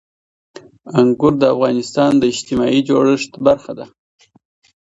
انګور د افغانستان د اجتماعي جوړښت برخه ده.